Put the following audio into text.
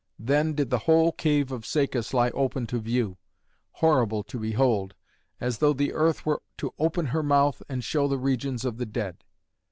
Then did the whole cave of Cacus lie open to view, horrible to behold, as though the earth were to open her mouth and show the regions of the dead.